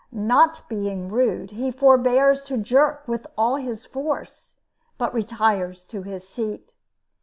Not being rude, he forbears to jerk with all his force, but retires to his seat.